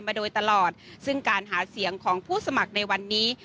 มาโดยตลอดซึ่งการหาเสียงของผู้สมัครในวันนี้